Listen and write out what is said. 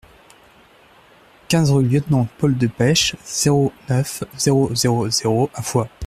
quinze rue Lieutenant Paul Delpech, zéro neuf, zéro zéro zéro à Foix